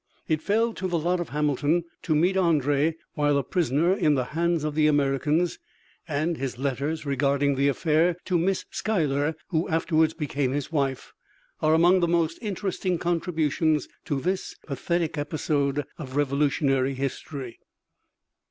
It fell to the lot of Hamilton to meet André while a prisoner in the hands of the Americans, and his letters regarding the affair to Miss Schuyler, who afterwards became his wife, are among the most interesting contributions to this pathetic episode of Revolutionary history.